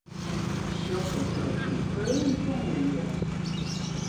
Hy sjocht oft er it yn Keulen tongerjen heart.